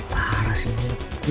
parah sih ini